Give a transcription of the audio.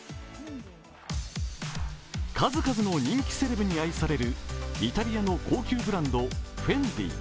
数々の人気セレブに愛されるイタリアの高級ブランド・ＦＥＮＤＩ。